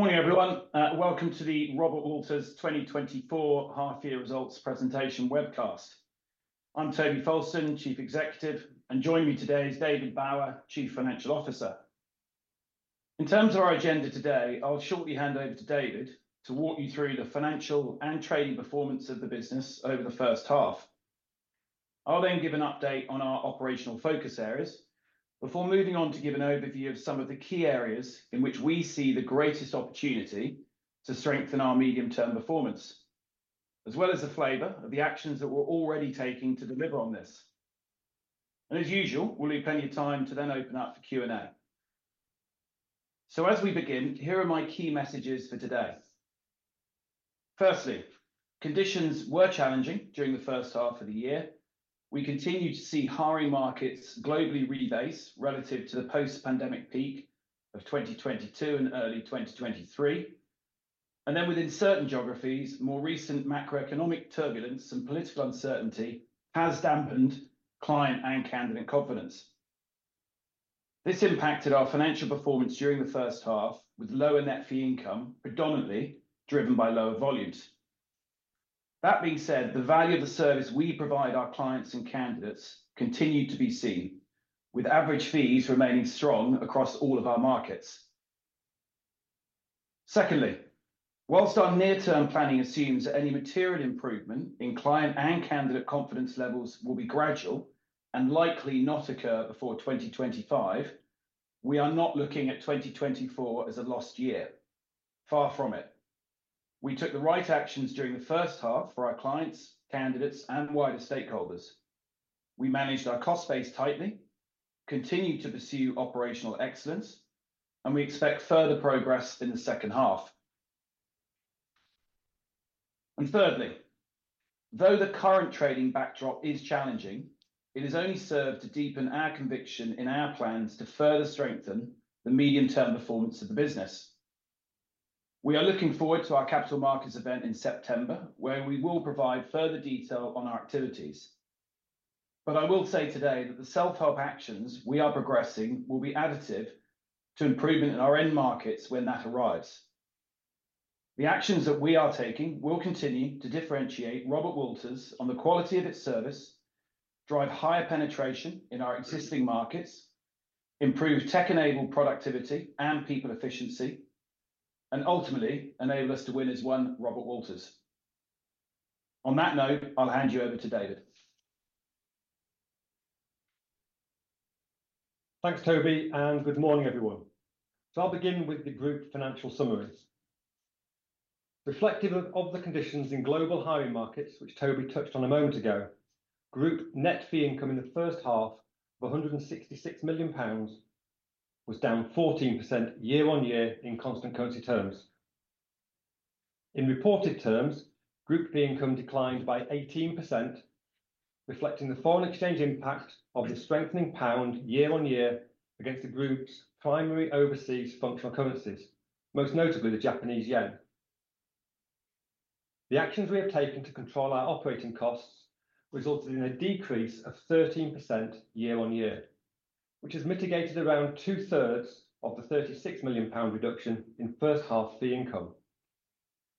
Good morning, everyone. Welcome to the Robert Walters 2024 half year results presentation webcast. I'm Toby Fowlston, Chief Executive, and joining me today is David Bower, Chief Financial Officer. In terms of our agenda today, I'll shortly hand over to David to walk you through the financial and trading performance of the business over the first half. I'll then give an update on our operational focus areas before moving on to give an overview of some of the key areas in which we see the greatest opportunity to strengthen our medium-term performance, as well as the flavor of the actions that we're already taking to deliver on this. As usual, we'll leave plenty of time to then open up for Q&A. As we begin, here are my key messages for today. Firstly, conditions were challenging during the first half of the year. We continued to see hiring markets globally rebase relative to the post-pandemic peak of 2022 and early 2023, and then within certain geographies, more recent macroeconomic turbulence and political uncertainty has dampened client and candidate confidence. This impacted our financial performance during the first half, with lower net fee income, predominantly driven by lower volumes. That being said, the value of the service we provide our clients and candidates continued to be seen, with average fees remaining strong across all of our markets. Secondly, whilst our near-term planning assumes that any material improvement in client and candidate confidence levels will be gradual and likely not occur before 2025, we are not looking at 2024 as a lost year. Far from it. We took the right actions during the first half for our clients, candidates, and wider stakeholders. We managed our cost base tightly, continued to pursue operational excellence, and we expect further progress in the second half. Thirdly, though the current trading backdrop is challenging, it has only served to deepen our conviction in our plans to further strengthen the medium-term performance of the business. We are looking forward to our capital markets event in September, where we will provide further detail on our activities. I will say today that the self-help actions we are progressing will be additive to improvement in our end markets when that arrives. The actions that we are taking will continue to differentiate Robert Walters on the quality of its service, drive higher penetration in our existing markets, improve tech-enabled productivity and people efficiency, and ultimately enable us to win as One Robert Walters. On that note, I'll hand you over to David. Thanks, Toby, and good morning, everyone. So I'll begin with the group financial summaries. Reflective of the conditions in global hiring markets, which Toby touched on a moment ago, group net fee income in the first half of 166 million pounds was down 14% year-on-year in constant currency terms. In reported terms, group fee income declined by 18%, reflecting the foreign exchange impact of the strengthening pound year-on-year against the group's primary overseas functional currencies, most notably the Japanese yen. The actions we have taken to control our operating costs resulted in a decrease of 13% year-on-year, which has mitigated around two-thirds of the 36 million pound reduction in first half fee income,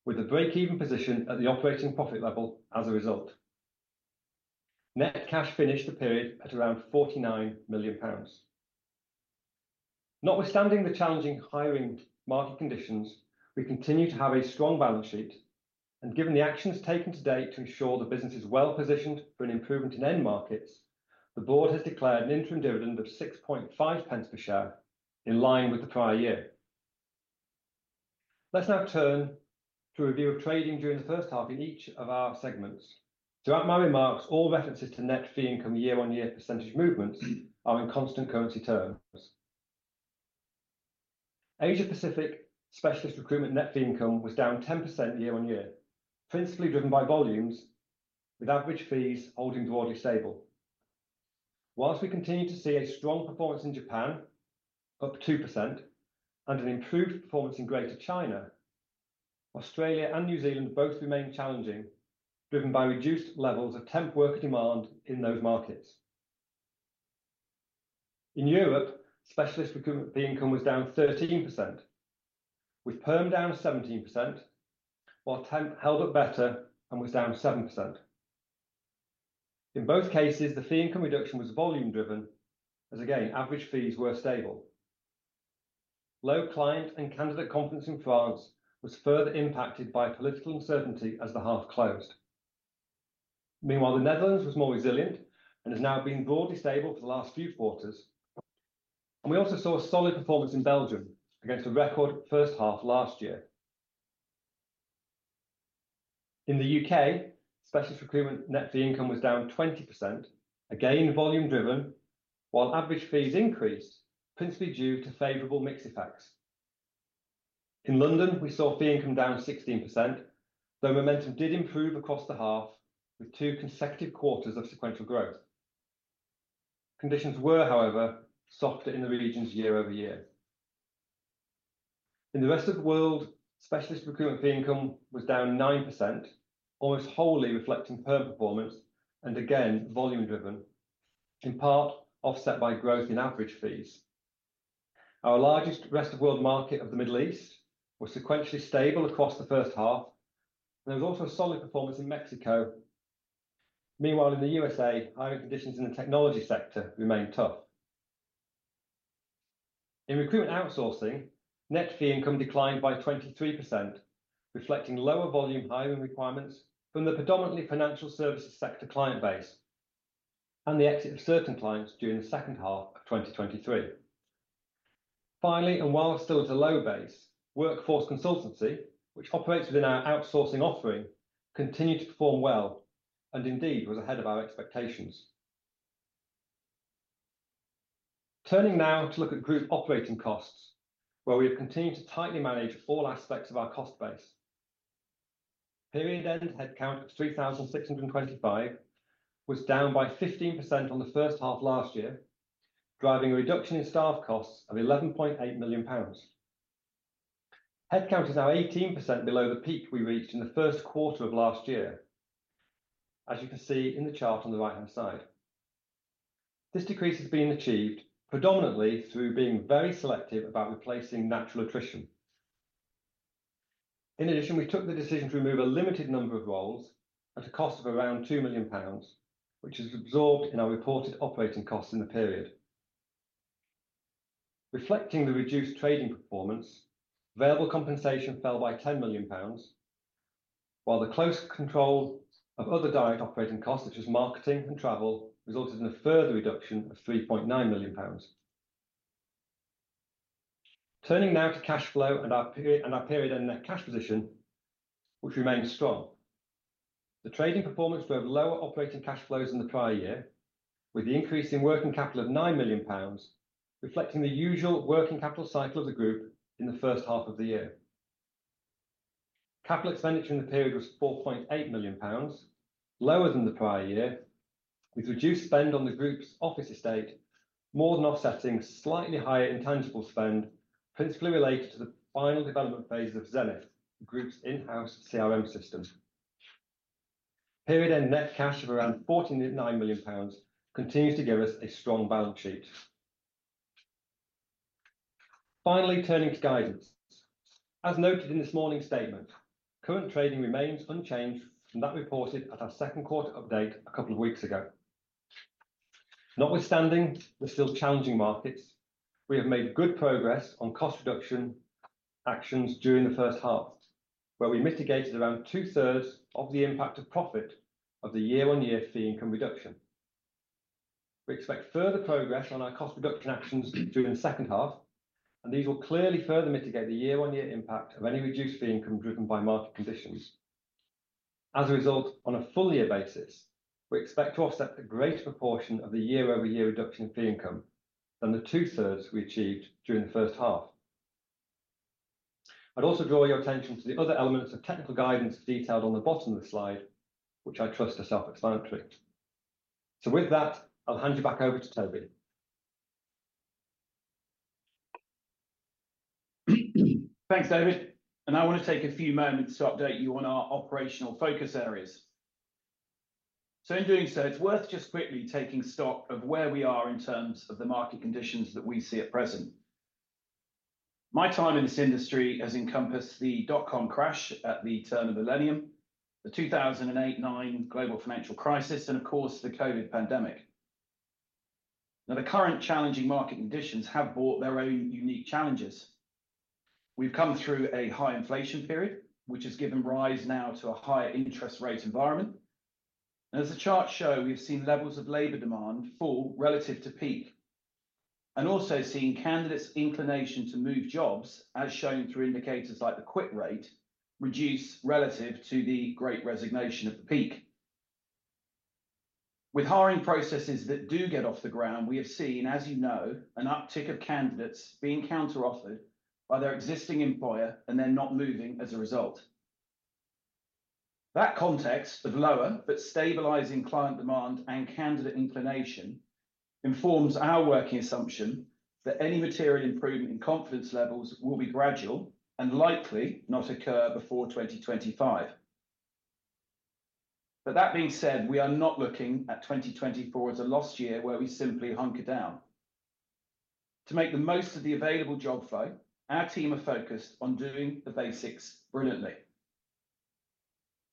with a breakeven position at the operating profit level as a result. Net cash finished the period at around 49 million pounds. Notwithstanding the challenging hiring market conditions, we continue to have a strong balance sheet, and given the actions taken to date to ensure the business is well positioned for an improvement in end markets, the board has declared an interim dividend of 0.065 per share in line with the prior year. Let's now turn to a review of trading during the first half in each of our segments. Throughout my remarks, all references to net fee income year-on-year percentage movements are in constant currency terms. Asia Pacific specialist recruitment net fee income was down 10% year-on-year, principally driven by volumes, with average fees holding broadly stable. Whilst we continue to see a strong performance in Japan, up 2%, and an improved performance in Greater China, Australia and New Zealand both remain challenging, driven by reduced levels of temp work demand in those markets. In Europe, specialist recruitment fee income was down 13%, with perm down 17%, while temp held up better and was down 7%. In both cases, the fee income reduction was volume driven as again, average fees were stable. Low client and candidate confidence in France was further impacted by political uncertainty as the half closed. Meanwhile, the Netherlands was more resilient and has now been broadly stable for the last few quarters, and we also saw a solid performance in Belgium against a record first half last year. In the UK, specialist recruitment net fee income was down 20%, again, volume driven, while average fees increased, principally due to favorable mix effects. In London, we saw fee income down 16%, though momentum did improve across the half with two consecutive quarters of sequential growth. Conditions were, however, softer in the regions year-over-year. In the rest of the world, specialist recruitment fee income was down 9%, almost wholly reflecting perm performance and again, volume driven, in part, offset by growth in average fees. Our largest rest of world market of the Middle East was sequentially stable across the first half, and there was also a solid performance in Mexico. Meanwhile, in the USA, hiring conditions in the technology sector remained tough. In recruitment outsourcing, net fee income declined by 23%, reflecting lower volume hiring requirements from the predominantly financial services sector client base, and the exit of certain clients during the second half of 2023. Finally, and while still at a low base, workforce consultancy, which operates within our outsourcing offering, continued to perform well, and indeed was ahead of our expectations. Turning now to look at group operating costs, where we have continued to tightly manage all aspects of our cost base. Period end headcount of 3,625 was down by 15% on the first half last year, driving a reduction in staff costs of 11.8 million pounds. Headcount is now 18% below the peak we reached in the first quarter of last year, as you can see in the chart on the right-hand side. This decrease has been achieved predominantly through being very selective about replacing natural attrition. In addition, we took the decision to remove a limited number of roles at a cost of around 2 million pounds, which is absorbed in our reported operating costs in the period. Reflecting the reduced trading performance, variable compensation fell by 10 million pounds, while the close control of other direct operating costs, such as marketing and travel, resulted in a further reduction of 3.9 million pounds. Turning now to cash flow and our period, and our period end net cash position, which remains strong. The trading performance drove lower operating cash flows than the prior year, with the increase in working capital of 9 million pounds, reflecting the usual working capital cycle of the group in the first half of the year. Capital expenditure in the period was 4.8 million pounds, lower than the prior year, with reduced spend on the group's office estate, more than offsetting slightly higher intangible spend, principally related to the final development phase of Zenith, the group's in-house CRM system. Period end net cash of around 49 million pounds continues to give us a strong balance sheet. Finally, turning to guidance. As noted in this morning's statement, current trading remains unchanged from that reported at our second quarter update a couple of weeks ago. Notwithstanding the still challenging markets, we have made good progress on cost reduction actions during the first half, where we mitigated around two-thirds of the impact of profit of the year-over-year fee income reduction. We expect further progress on our cost reduction actions during the second half, and these will clearly further mitigate the year-over-year impact of any reduced fee income driven by market conditions. As a result, on a full year basis, we expect to offset a greater proportion of the year-over-year reduction in fee income than the two-thirds we achieved during the first half. I'd also draw your attention to the other elements of technical guidance detailed on the bottom of the slide, which I trust are self-explanatory. With that, I'll hand you back over to Toby. Thanks, David. And I want to take a few moments to update you on our operational focus areas. So in doing so, it's worth just quickly taking stock of where we are in terms of the market conditions that we see at present. My time in this industry has encompassed the dotcom crash at the turn of the millennium, the 2008, 2009 global financial crisis, and of course, the COVID pandemic. Now, the current challenging market conditions have brought their own unique challenges. We've come through a high inflation period, which has given rise now to a higher interest rate environment. And as the charts show, we've seen levels of labor demand fall relative to peak, and also seen candidates' inclination to move jobs, as shown through indicators like the quit rate, reduce relative to the great resignation at the peak. With hiring processes that do get off the ground, we have seen, as you know, an uptick of candidates being counter-offered by their existing employer and then not moving as a result. That context of lower but stabilizing client demand and candidate inclination informs our working assumption that any material improvement in confidence levels will be gradual and likely not occur before 2025. But that being said, we are not looking at 2024 as a lost year where we simply hunker down. To make the most of the available job flow, our team are focused on doing the basics brilliantly.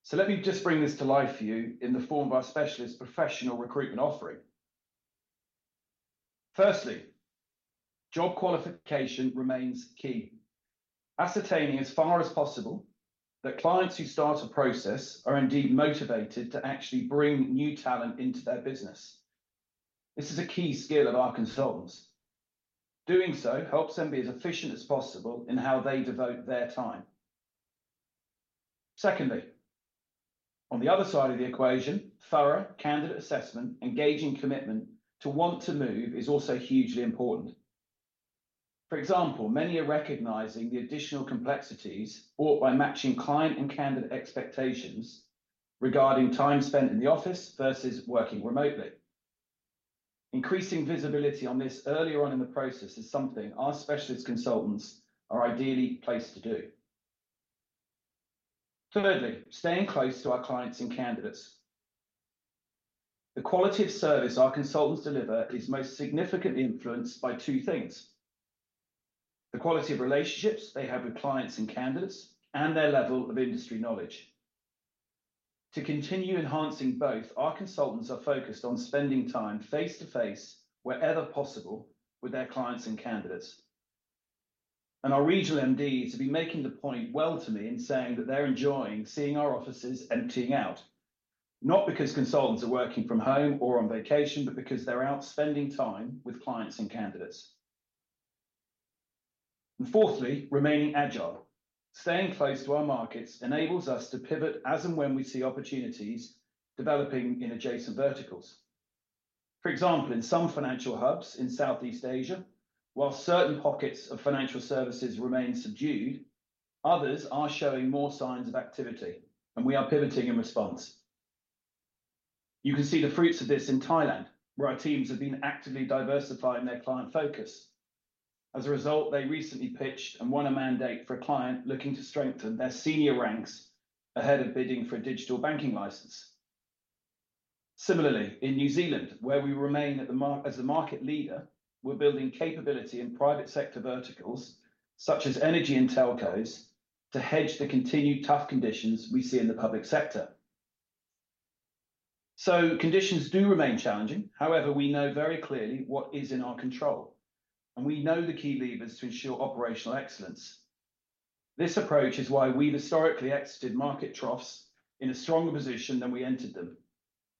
So let me just bring this to life for you in the form of our specialist professional recruitment offering. Firstly, job qualification remains key. Ascertaining as far as possible that clients who start a process are indeed motivated to actually bring new talent into their business. This is a key skill of our consultants. Doing so helps them be as efficient as possible in how they devote their time. Secondly, on the other side of the equation, thorough candidate assessment, engaging commitment to want to move is also hugely important. For example, many are recognizing the additional complexities brought by matching client and candidate expectations regarding time spent in the office versus working remotely. Increasing visibility on this earlier on in the process is something our specialist consultants are ideally placed to do.... Thirdly, staying close to our clients and candidates. The quality of service our consultants deliver is most significantly influenced by two things: the quality of relationships they have with clients and candidates, and their level of industry knowledge. To continue enhancing both, our consultants are focused on spending time face-to-face, wherever possible, with their clients and candidates. Our regional MDs have been making the point well to me in saying that they're enjoying seeing our offices emptying out, not because consultants are working from home or on vacation, but because they're out spending time with clients and candidates. Fourthly, remaining agile. Staying close to our markets enables us to pivot as and when we see opportunities developing in adjacent verticals. For example, in some financial hubs in Southeast Asia, while certain pockets of financial services remain subdued, others are showing more signs of activity, and we are pivoting in response. You can see the fruits of this in Thailand, where our teams have been actively diversifying their client focus. As a result, they recently pitched and won a mandate for a client looking to strengthen their senior ranks ahead of bidding for a digital banking license. Similarly, in New Zealand, where we remain as the market leader, we're building capability in private sector verticals, such as energy and telcos, to hedge the continued tough conditions we see in the public sector. So conditions do remain challenging. However, we know very clearly what is in our control, and we know the key levers to ensure operational excellence. This approach is why we historically exited market troughs in a stronger position than we entered them,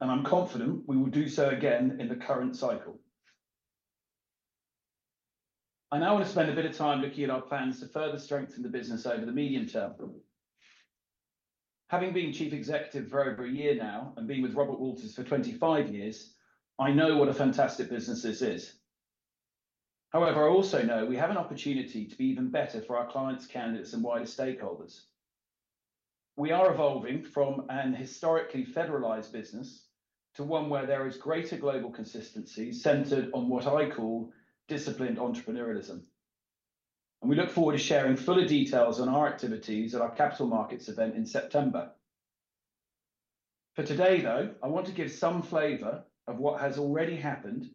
and I'm confident we will do so again in the current cycle. I now want to spend a bit of time looking at our plans to further strengthen the business over the medium term. Having been Chief Executive for over a year now, and being with Robert Walters for 25 years, I know what a fantastic business this is. However, I also know we have an opportunity to be even better for our clients, candidates, and wider stakeholders. We are evolving from an historically federalized business to one where there is greater global consistency, centered on what I call disciplined entrepreneurialism, and we look forward to sharing fuller details on our activities at our capital markets event in September. For today, though, I want to give some flavor of what has already happened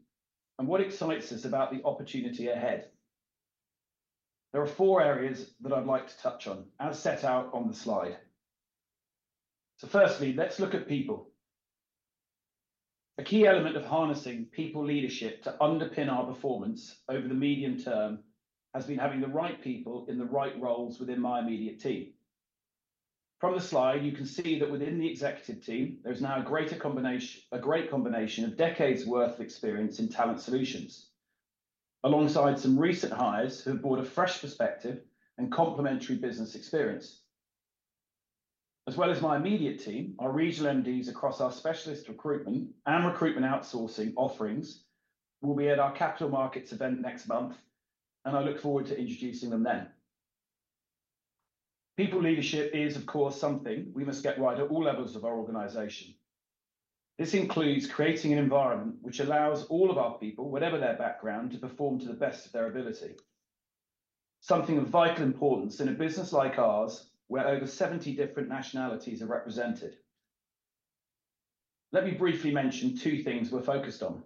and what excites us about the opportunity ahead. There are four areas that I'd like to touch on, as set out on the slide. So firstly, let's look at people. A key element of harnessing people leadership to underpin our performance over the medium term has been having the right people in the right roles within my immediate team. From the slide, you can see that within the executive team, there's now a greater combination, a great combination of decades worth of experience in talent solutions, alongside some recent hires who have brought a fresh perspective and complementary business experience. As well as my immediate team, our regional MDs across our specialist recruitment and recruitment outsourcing offerings will be at our capital markets event next month, and I look forward to introducing them then. People leadership is, of course, something we must get right at all levels of our organization. This includes creating an environment which allows all of our people, whatever their background, to perform to the best of their ability, something of vital importance in a business like ours, where over 70 different nationalities are represented. Let me briefly mention two things we're focused on.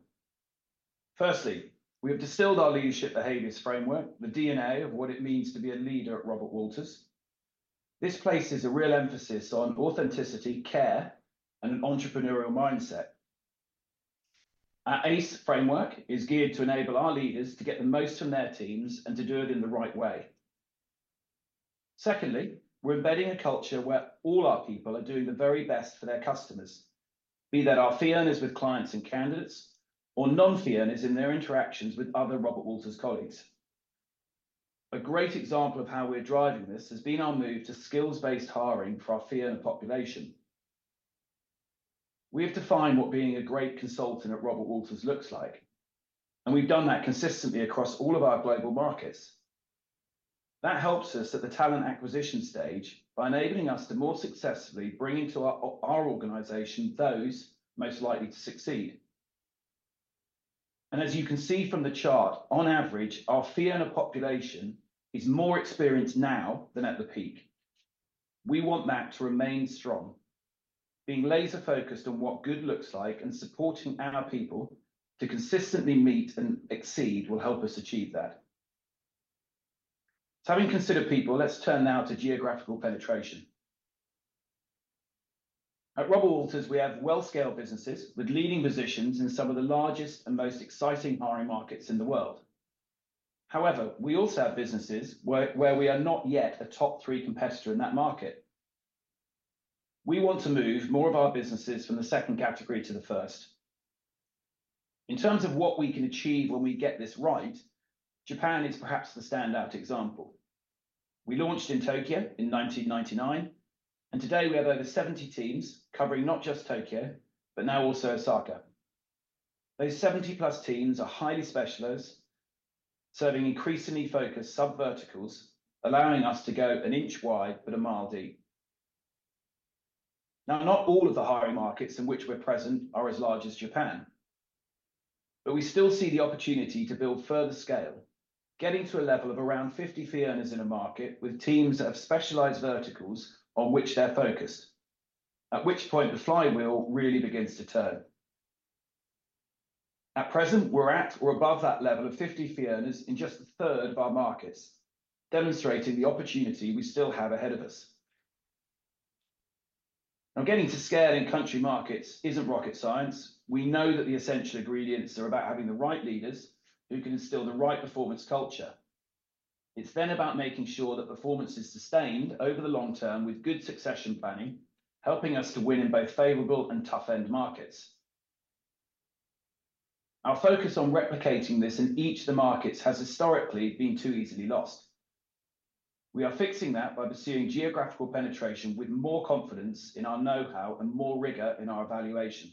Firstly, we have distilled our leadership behaviors framework, the DNA of what it means to be a leader at Robert Walters. This places a real emphasis on authenticity, care, and an entrepreneurial mindset. Our ACE framework is geared to enable our leaders to get the most from their teams and to do it in the right way. Secondly, we're embedding a culture where all our people are doing the very best for their customers, be that our fee earners with clients and candidates, or non-fee earners in their interactions with other Robert Walters colleagues. A great example of how we're driving this has been our move to skills-based hiring for our fee earner population. We have defined what being a great consultant at Robert Walters looks like, and we've done that consistently across all of our global markets. That helps us at the talent acquisition stage by enabling us to more successfully bring into our organization those most likely to succeed. As you can see from the chart, on average, our fee earner population is more experienced now than at the peak. We want that to remain strong. Being laser-focused on what good looks like and supporting our people to consistently meet and exceed will help us achieve that. Having considered people, let's turn now to geographical penetration. At Robert Walters, we have well-scaled businesses with leading positions in some of the largest and most exciting hiring markets in the world. However, we also have businesses where we are not yet a top three competitor in that market. We want to move more of our businesses from the second category to the first. In terms of what we can achieve when we get this right, Japan is perhaps the standout example. We launched in Tokyo in 1999, and today we have over 70 teams covering not just Tokyo, but now also Osaka. Those 70+ teams are highly specialist, serving increasingly focused sub verticals, allowing us to go an inch wide but a mile deep. Now, not all of the hiring markets in which we're present are as large as Japan... but we still see the opportunity to build further scale, getting to a level of around 50 fee earners in a market with teams that have specialized verticals on which they're focused, at which point the flywheel really begins to turn. At present, we're at or above that level of 50 fee earners in just a third of our markets, demonstrating the opportunity we still have ahead of us. Now, getting to scale in country markets isn't rocket science. We know that the essential ingredients are about having the right leaders who can instill the right performance culture. It's then about making sure that performance is sustained over the long term, with good succession planning, helping us to win in both favorable and tough end markets. Our focus on replicating this in each of the markets has historically been too easily lost. We are fixing that by pursuing geographical penetration with more confidence in our know-how and more rigor in our evaluation.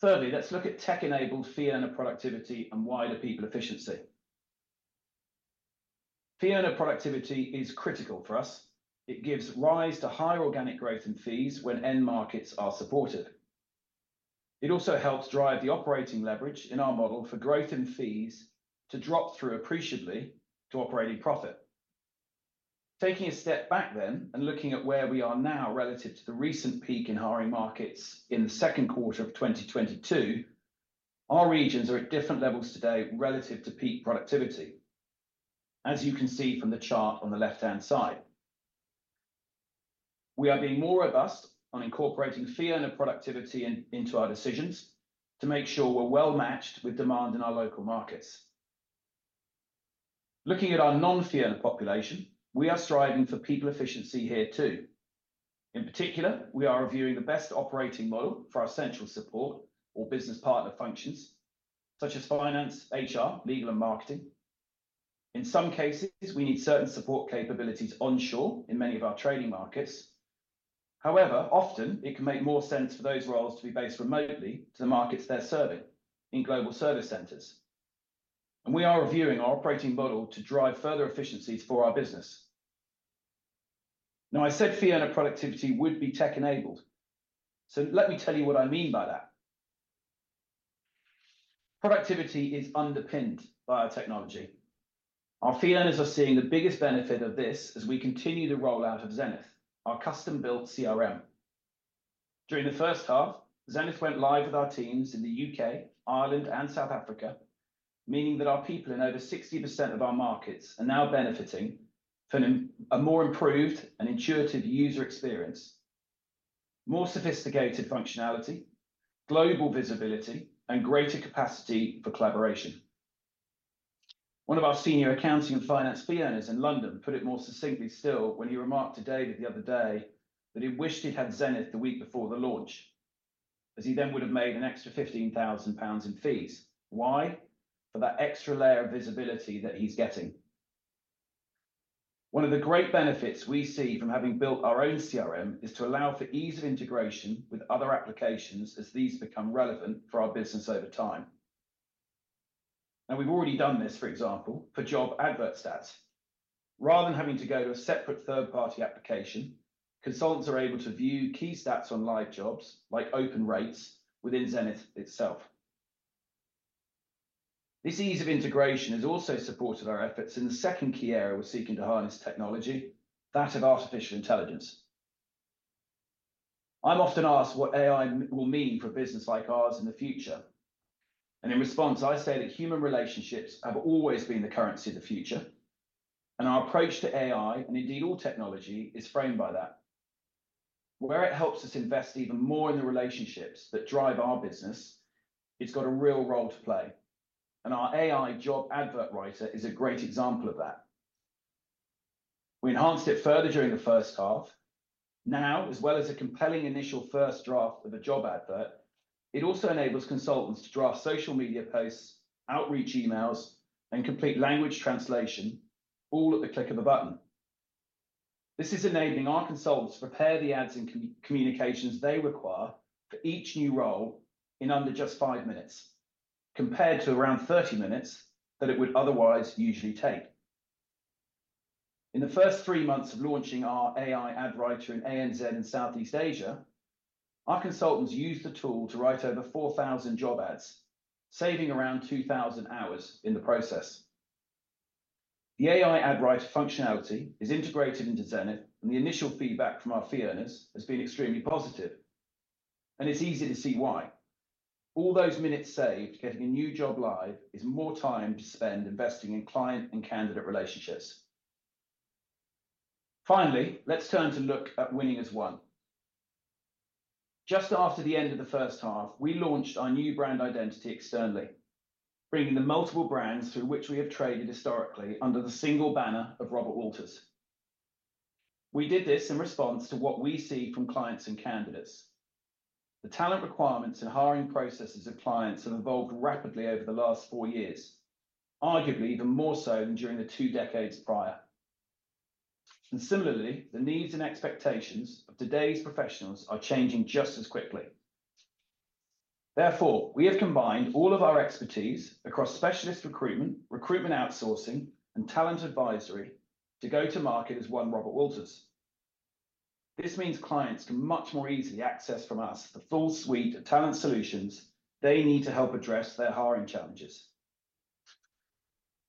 Thirdly, let's look at tech-enabled fee earner productivity and wider people efficiency. Fee earner productivity is critical for us. It gives rise to higher organic growth in fees when end markets are supported. It also helps drive the operating leverage in our model for growth in fees to drop through appreciably to operating profit. Taking a step back then and looking at where we are now relative to the recent peak in hiring markets in the second quarter of 2022, our regions are at different levels today relative to peak productivity, as you can see from the chart on the left-hand side. We are being more robust on incorporating fee earner productivity in, into our decisions to make sure we're well matched with demand in our local markets. Looking at our non-fee earner population, we are striving for people efficiency here, too. In particular, we are reviewing the best operating model for our central support or business partner functions such as finance, HR, legal, and marketing. In some cases, we need certain support capabilities onshore in many of our trading markets. However, often it can make more sense for those roles to be based remotely to the markets they're serving in global service centers, and we are reviewing our operating model to drive further efficiencies for our business. Now, I said fee earner productivity would be tech-enabled, so let me tell you what I mean by that. Productivity is underpinned by our technology. Our fee earners are seeing the biggest benefit of this as we continue the rollout of Zenith, our custom-built CRM. During the first half, Zenith went live with our teams in the UK, Ireland, and South Africa, meaning that our people in over 60% of our markets are now benefiting from a more improved and intuitive user experience, more sophisticated functionality, global visibility, and greater capacity for collaboration. One of our senior accounting and finance fee earners in London put it more succinctly still when he remarked to David the other day that he wished he'd had Zenith the week before the launch, as he then would have made an extra 15,000 pounds in fees. Why? For that extra layer of visibility that he's getting. One of the great benefits we see from having built our own CRM is to allow for ease of integration with other applications as these become relevant for our business over time. Now, we've already done this, for example, for job advert stats. Rather than having to go to a separate third-party application, consultants are able to view key stats on live jobs, like open rates, within Zenith itself. This ease of integration has also supported our efforts in the second key area we're seeking to harness technology, that of artificial intelligence. I'm often asked what AI will mean for a business like ours in the future, and in response, I say that human relationships have always been the currency of the future, and our approach to AI, and indeed all technology, is framed by that. Where it helps us invest even more in the relationships that drive our business, it's got a real role to play, and our AI job advert writer is a great example of that. We enhanced it further during the first half. Now, as well as a compelling initial first draft of a job advert, it also enables consultants to draft social media posts, outreach emails, and complete language translation, all at the click of a button. This is enabling our consultants to prepare the ads and communications they require for each new role in under just 5 minutes, compared to around 30 minutes that it would otherwise usually take. In the first 3 months of launching our AI ad writer in ANZ in Southeast Asia, our consultants used the tool to write over 4,000 job ads, saving around 2,000 hours in the process. The AI ad writer functionality is integrated into Zenith, and the initial feedback from our fee earners has been extremely positive, and it's easy to see why. All those minutes saved getting a new job live is more time to spend investing in client and candidate relationships. Finally, let's turn to look at winning as one. Just after the end of the first half, we launched our new brand identity externally, bringing the multiple brands through which we have traded historically under the single banner of Robert Walters. We did this in response to what we see from clients and candidates. The talent requirements and hiring processes of clients have evolved rapidly over the last four years, arguably even more so than during the two decades prior, and similarly, the needs and expectations of today's professionals are changing just as quickly. Therefore, we have combined all of our expertise across specialist recruitment, recruitment outsourcing, and talent advisory to go to market as one Robert Walters. This means clients can much more easily access from us the full suite of talent solutions they need to help address their hiring challenges.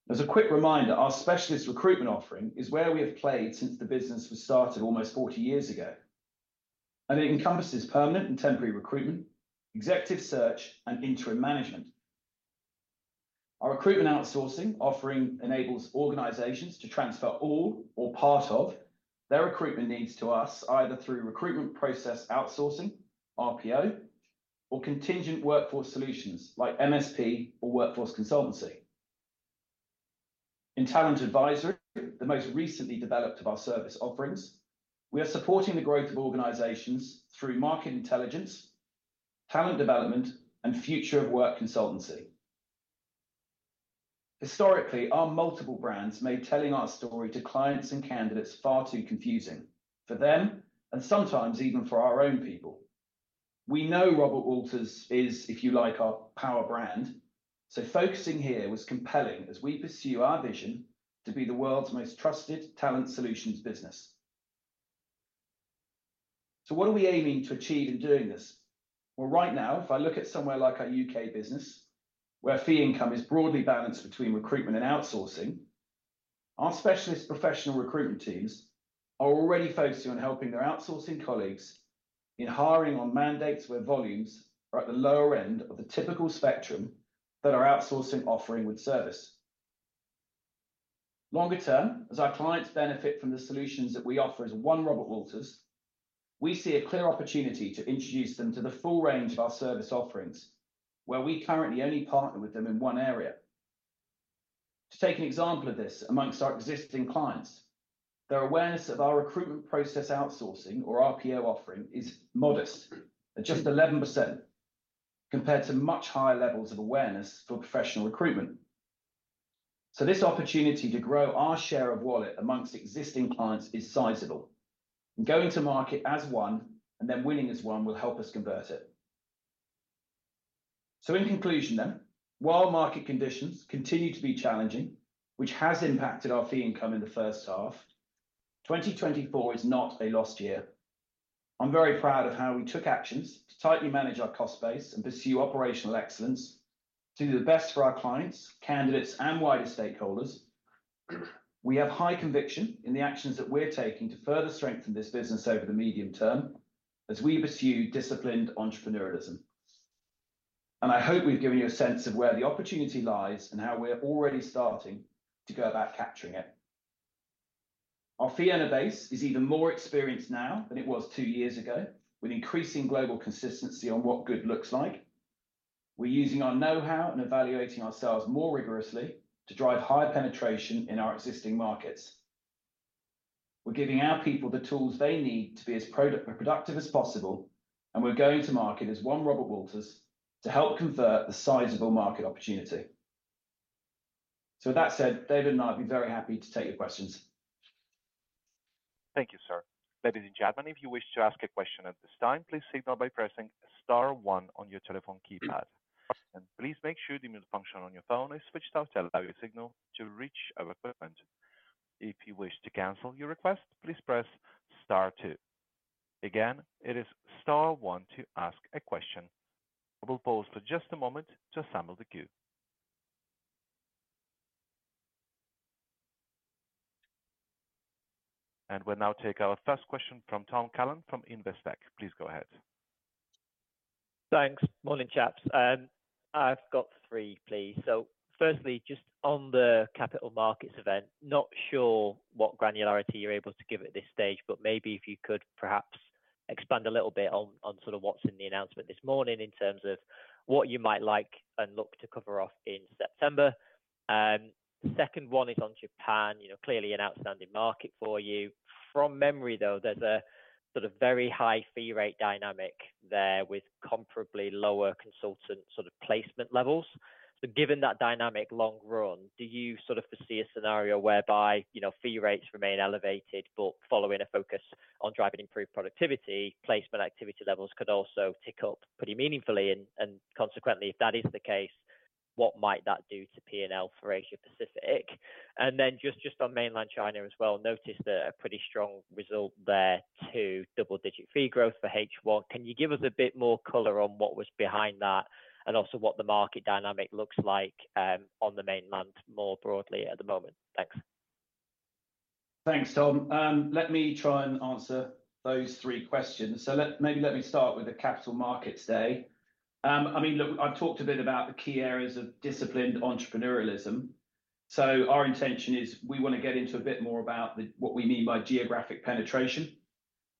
As a quick reminder, our specialist recruitment offering is where we have played since the business was started almost 40 years ago, and it encompasses permanent and temporary recruitment, executive search, and interim management. Our recruitment outsourcing offering enables organizations to transfer all or part of their recruitment needs to us, either through recruitment process outsourcing, RPO, or contingent workforce solutions like MSP or workforce consultancy. In talent advisory, the most recently developed of our service offerings, we are supporting the growth of organizations through market intelligence, talent development, and future of work consultancy. Historically, our multiple brands made telling our story to clients and candidates far too confusing for them and sometimes even for our own people. We know Robert Walters is, if you like, our power brand, so focusing here was compelling as we pursue our vision to be the world's most trusted talent solutions business. So what are we aiming to achieve in doing this? Well, right now, if I look at somewhere like our U.K. business, where fee income is broadly balanced between recruitment and outsourcing, our specialist professional recruitment teams are already focusing on helping their outsourcing colleagues in hiring on mandates, where volumes are at the lower end of the typical spectrum that our outsourcing offering would service. Longer term, as our clients benefit from the solutions that we offer as One Robert Walters, we see a clear opportunity to introduce them to the full range of our service offerings, where we currently only partner with them in one area. To take an example of this, among our existing clients, their awareness of our recruitment process, outsourcing, or RPO offering is modest, at just 11%, compared to much higher levels of awareness for professional recruitment. So this opportunity to grow our share of wallet among existing clients is sizable, and going to market as one and then winning as one will help us convert it. So in conclusion then, while market conditions continue to be challenging, which has impacted our fee income in the first half, 2024 is not a lost year. I'm very proud of how we took actions to tightly manage our cost base and pursue operational excellence to do the best for our clients, candidates, and wider stakeholders. We have high conviction in the actions that we're taking to further strengthen this business over the medium term as we pursue disciplined entrepreneurialism. And I hope we've given you a sense of where the opportunity lies and how we're already starting to go about capturing it. Our fee earner base is even more experienced now than it was two years ago, with increasing global consistency on what good looks like. We're using our know-how and evaluating ourselves more rigorously to drive higher penetration in our existing markets. We're giving our people the tools they need to be as productive as possible, and we're going to market as One Robert Walters to help convert the sizable market opportunity. So with that said, David and I would be very happy to take your questions. Thank you, sir. Ladies and gentlemen, if you wish to ask a question at this time, please signal by pressing star one on your telephone keypad. Please make sure the mute function on your phone is switched off to allow your signal to reach our equipment. If you wish to cancel your request, please press star two. Again, it is star one to ask a question. We will pause for just a moment to assemble the queue. We'll now take our first question from Tom Callan from Investec. Please go ahead. Thanks. Morning, chaps. I've got three, please. So firstly, just on the capital markets event, not sure what granularity you're able to give at this stage, but maybe if you could perhaps expand a little bit on, on sort of what's in the announcement this morning in terms of what you might like and look to cover off in September. The second one is on Japan. You know, clearly an outstanding market for you. From memory, though, there's a sort of very high fee rate dynamic there with comparably lower consultant sort of placement levels. So given that dynamic long run, do you sort of foresee a scenario whereby, you know, fee rates remain elevated, but following a focus on driving improved productivity, placement activity levels could also tick up pretty meaningfully? Consequently, if that is the case, what might that do to P&L for Asia Pacific? And then just on Mainland China as well, noticed a pretty strong result there, too, double-digit fee growth for H1. Can you give us a bit more color on what was behind that and also what the market dynamic looks like, on the Mainland more broadly at the moment? Thanks. Thanks, Tom. Let me try and answer those three questions. So let me start with the capital markets day. I mean, look, I've talked a bit about the key areas of disciplined entrepreneurialism. So our intention is we wanna get into a bit more about the, what we mean by geographic penetration,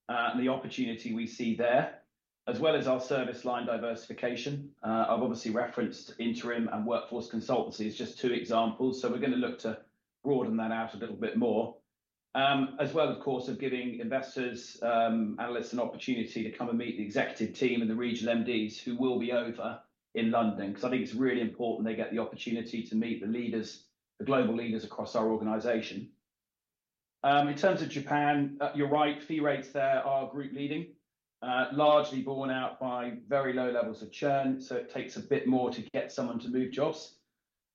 and the opportunity we see there, as well as our service line diversification. I've obviously referenced interim and Workforce Consultancy as just two examples, so we're gonna look to broaden that out a little bit more. As well, of course, of giving investors, analysts, an opportunity to come and meet the executive team and the regional MDs who will be over in London, because I think it's really important they get the opportunity to meet the leaders, the global leaders across our organization. In terms of Japan, you're right, fee rates there are group leading, largely borne out by very low levels of churn, so it takes a bit more to get someone to move jobs.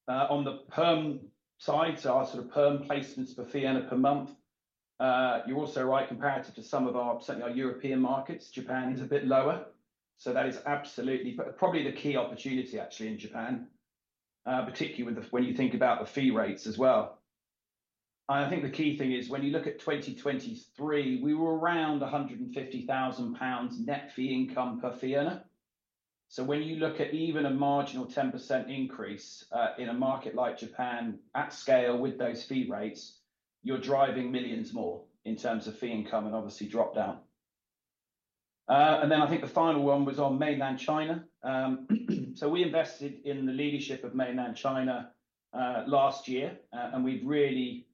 On the perm side, so our sort of perm placements for fee earner per month, you're also right, comparative to some of our, certainly our European markets, Japan is a bit lower. So that is absolutely, but probably the key opportunity actually in Japan, particularly with the, when you think about the fee rates as well. And I think the key thing is when you look at 2023, we were around 150,000 pounds net fee income per fee earner. So when you look at even a marginal 10% increase, in a market like Japan at scale with those fee rates, you're driving millions more in terms of fee income and obviously drop down. And then I think the final one was on Mainland China. So we invested in the leadership of Mainland China last year, and we've really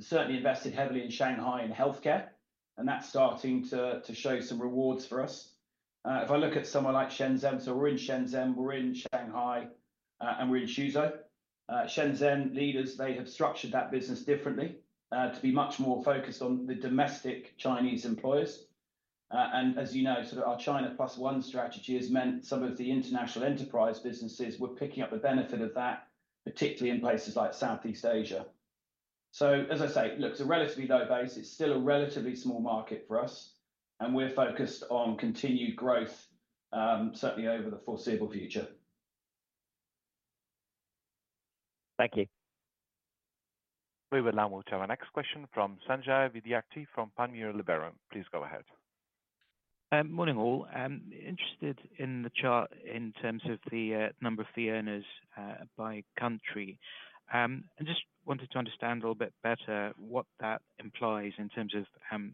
certainly invested heavily in Shanghai and healthcare, and that's starting to show some rewards for us. If I look at someone like Shenzhen, so we're in Shenzhen, we're in Shanghai, and we're in Suzhou. Shenzhen leaders, they have structured that business differently to be much more focused on the domestic Chinese employers. And as you know, sort of our China plus one strategy has meant some of the international enterprise businesses were picking up the benefit of that, particularly in places like Southeast Asia. So as I say, look, it's a relatively low base, it's still a relatively small market for us, and we're focused on continued growth, certainly over the foreseeable future. Thank you. We will now move to our next question from Sanjay Vidyarthi from Panmure Gordon. Please go ahead. Morning, all. I'm interested in the chart in terms of the number of fee earners by country. I just wanted to understand a little bit better what that implies in terms of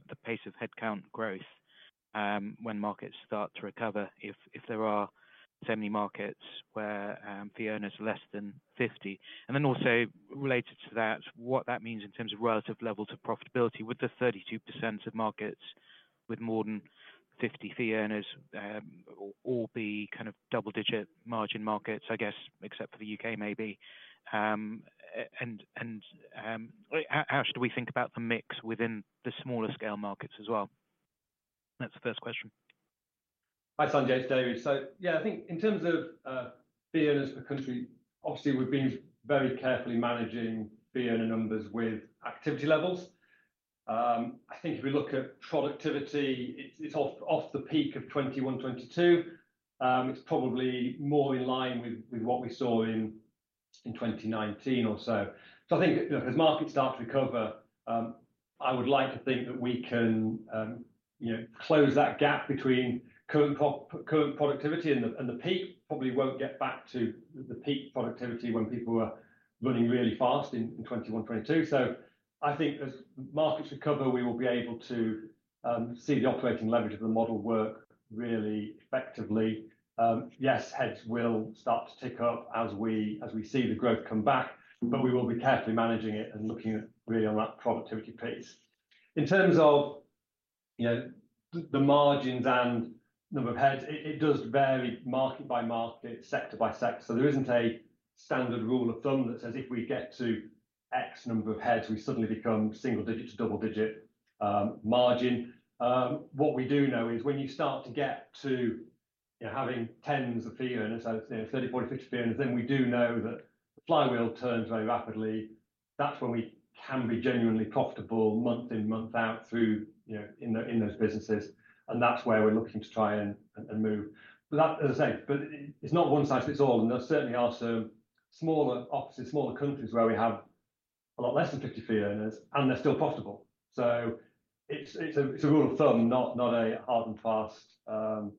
the pace of headcount growth when markets start to recover, if there are so many markets where fee earners are less than 50. And then also related to that, what that means in terms of relative levels of profitability with the 32% of markets with more than 50 fee earners, all the kind of double digit margin markets, I guess, except for the UK, maybe. And how should we think about the mix within the smaller scale markets as well? That's the first question. Hi, Sanjay, it's David. So yeah, I think in terms of fee earners per country, obviously, we've been very carefully managing fee earner numbers with activity levels. I think if we look at productivity, it's off the peak of 2021, 2022. It's probably more in line with what we saw in 2019 or so. So I think, you know, as markets start to recover, I would like to think that we can, you know, close that gap between current productivity and the peak. Probably won't get back to the peak productivity when people are running really fast in 2021, 2022. So I think as markets recover, we will be able to see the operating leverage of the model work really effectively. Yes, heads will start to tick up as we, as we see the growth come back, but we will be carefully managing it and looking at really on that productivity piece. In terms of, you know, the, the margins and number of heads, it, it does vary market by market, sector by sector. So there isn't a standard rule of thumb that says if we get to X number of heads, we suddenly become single digit to double digit, margin. What we do know is when you start to get to, you know, having tens of fee earners, you know, 30, 40, 50 fee earners, then we do know that the flywheel turns very rapidly. That's when we can be genuinely profitable month in, month out through, you know, in the, in those businesses, and that's where we're looking to try and, and move. But that, as I say, but it's not one size fits all, and there certainly are some smaller offices, smaller countries where we have a lot less than 50 fee earners, and they're still profitable. So it's, it's a, it's a rule of thumb, not, not a hard and fast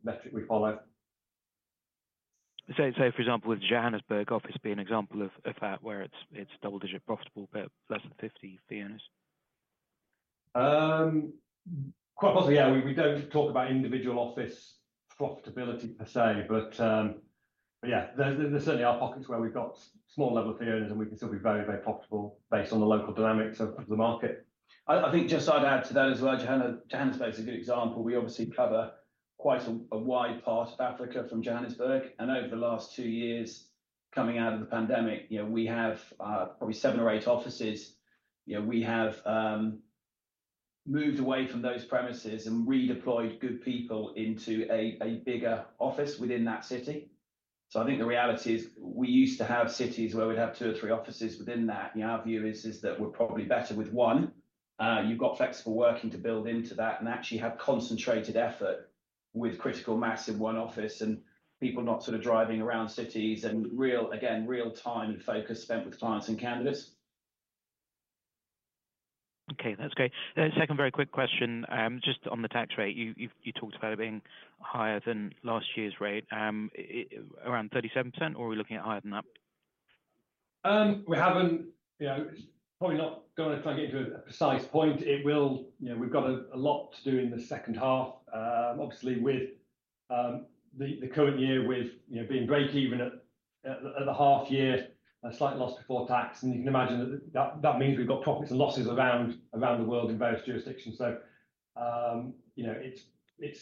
metric we follow. So, for example, would Johannesburg office be an example of that, where it's double digit profitable, but less than 50 fee earners? Quite possibly, yeah. We don't talk about individual office profitability per se, but yeah, there certainly are pockets where we've got small level of fee earners, and we can still be very, very profitable based on the local dynamics of the market. I think just I'd add to that as well, Johannesburg. Johannesburg is a good example. We obviously cover quite a wide part of Africa from Johannesburg, and over the last two years, coming out of the pandemic, you know, we have probably seven or eight offices. You know, we have moved away from those premises and redeployed good people into a bigger office within that city. So I think the reality is we used to have cities where we'd have two or three offices within that. And our view is that we're probably better with one. You've got flexible working to build into that and actually have concentrated effort with critical mass in one office and people not sort of driving around cities and real, again, real time focus spent with clients and candidates. Okay, that's great. Second very quick question, just on the tax rate. You talked about it being higher than last year's rate, around 37%, or are we looking at higher than that? We haven't, you know, probably not gonna try and get into a precise point. It will... You know, we've got a lot to do in the second half. Obviously, with the current year with, you know, being breakeven at the half year, a slight loss before tax. And you can imagine that means we've got profits and losses around the world in various jurisdictions. So, you know, it's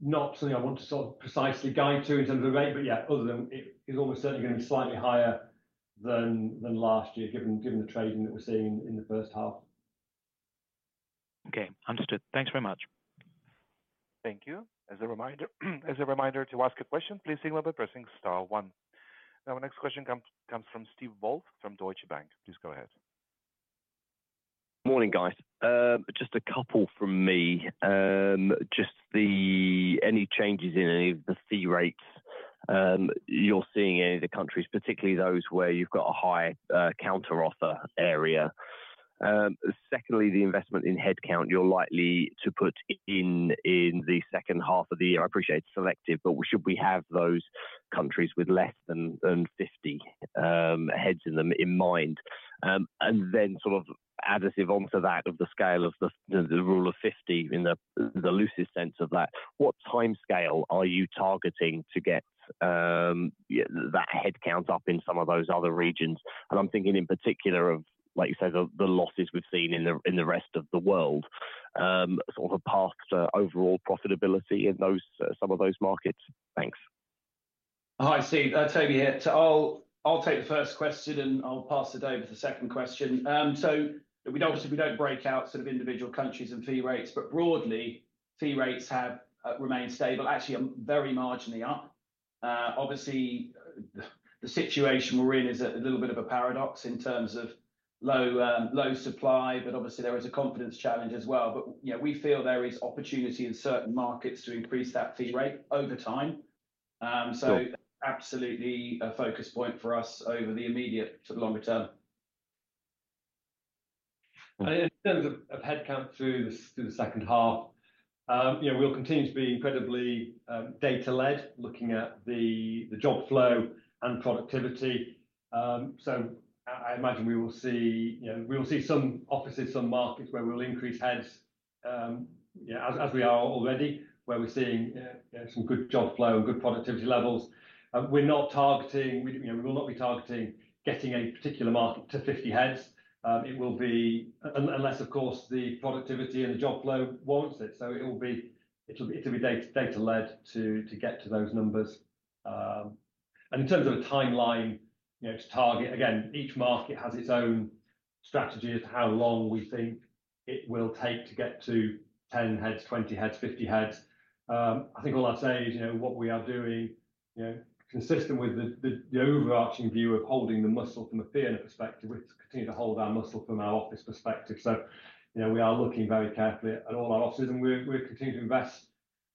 not something I want to sort of precisely guide to in terms of the rate, but yeah, other than it is almost certainly gonna be slightly higher than last year, given the trading that we're seeing in the first half.... Okay, understood. Thanks very much. Thank you. As a reminder, as a reminder, to ask a question, please signal by pressing star one. Now our next question comes from Steve Woolf from Deutsche Bank. Please go ahead. Morning, guys. Just a couple from me. Just any changes in any of the fee rates you're seeing in any of the countries, particularly those where you've got a high counteroffer area. Secondly, the investment in headcount you're likely to put in, in the second half of the year. I appreciate it's selective, but should we have those countries with less than 50 heads in them in mind? And then sort of additive onto that, of the scale of the rule of 50 in the loosest sense of that, what timescale are you targeting to get, yeah, that headcount up in some of those other regions? I'm thinking in particular of, like you said, the losses we've seen in the rest of the world, sort of a path to overall profitability in those, some of those markets. Thanks. Hi, Steve. Toby here. So I'll take the first question, and I'll pass to David for the second question. So we don't, obviously we don't break out sort of individual countries and fee rates, but broadly, fee rates have remained stable. Actually, very marginally up. Obviously, the situation we're in is a little bit of a paradox in terms of low supply, but obviously there is a confidence challenge as well. But yeah, we feel there is opportunity in certain markets to increase that fee rate over time. So- Sure. Absolutely a focus point for us over the immediate to the longer term. Right. In terms of headcount through the second half, you know, we'll continue to be incredibly data-led, looking at the job flow and productivity. So I imagine we will see, you know, we will see some offices, some markets where we'll increase heads, you know, as we are already, where we're seeing some good job flow and good productivity levels. We're not targeting... We, you know, we will not be targeting getting a particular market to 50 heads. It will be un- unless, of course, the productivity and the job flow warrants it. So it will be, it'll be, it'll be data data-led to get to those numbers. And in terms of a timeline, you know, to target, again, each market has its own strategy as to how long we think it will take to get to 10 heads, 20 heads, 50 heads. I think all I'd say is, you know, what we are doing, you know, consistent with the overarching view of holding the muscle from a theater perspective, we continue to hold our muscle from our office perspective. So, you know, we are looking very carefully at all our offices, and we're continuing to invest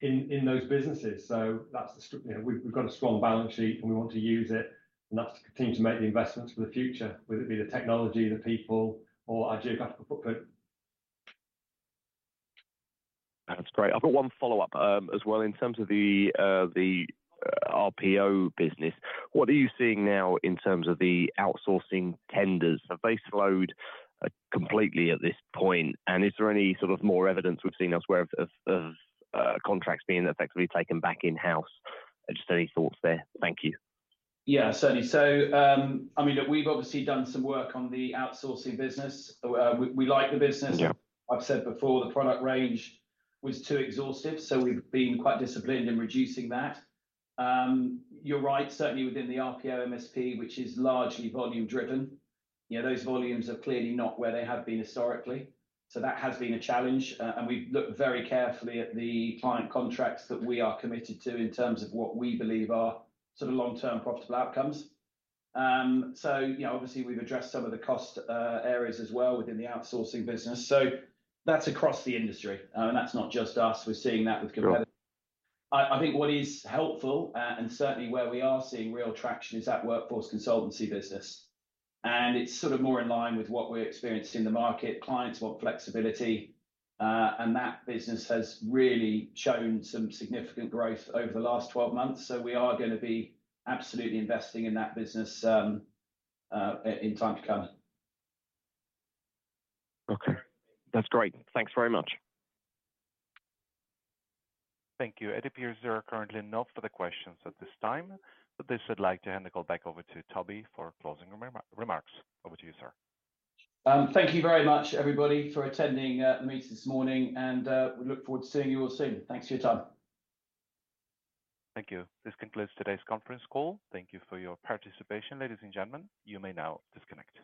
in those businesses. So that's the... You know, we've got a strong balance sheet, and we want to use it, and that's to continue to make the investments for the future, whether it be the technology, the people, or our geographical footprint. That's great. I've got one follow-up, as well. In terms of the RPO business, what are you seeing now in terms of the outsourcing tenders? Have they slowed completely at this point? And is there any sort of more evidence we've seen elsewhere of contracts being effectively taken back in-house? Just any thoughts there. Thank you. Yeah, certainly. So, I mean, look, we've obviously done some work on the outsourcing business. We like the business. Yeah. I've said before the product range was too exhaustive, so we've been quite disciplined in reducing that. You're right, certainly within the RPO MSP, which is largely volume-driven, you know, those volumes are clearly not where they have been historically. So that has been a challenge, and we've looked very carefully at the client contracts that we are committed to in terms of what we believe are sort of long-term profitable outcomes. So you know, obviously, we've addressed some of the cost areas as well within the outsourcing business. So that's across the industry, and that's not just us. We're seeing that with competitors. Sure. I think what is helpful, and certainly where we are seeing real traction, is that workforce consultancy business. It's sort of more in line with what we're experiencing in the market. Clients want flexibility, and that business has really shown some significant growth over the last 12 months. We are gonna be absolutely investing in that business, in time to come. Okay. That's great. Thanks very much. Thank you. It appears there are currently no further questions at this time. With this, I'd like to hand the call back over to Toby for closing remarks. Over to you, sir. Thank you very much, everybody, for attending the meeting this morning, and we look forward to seeing you all soon. Thanks for your time. Thank you. This concludes today's conference call. Thank you for your participation, ladies and gentlemen. You may now disconnect.